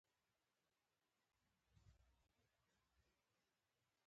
دا معنا په ورځنیو خبرو کې زیات راځي.